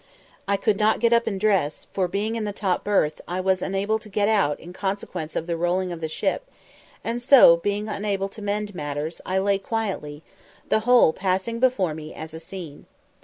I could not get up and dress, for, being in the top berth, I was unable to get out in consequence of the rolling of the ship, and so, being unable to mend matters, I lay quietly, the whole passing before me as a scene.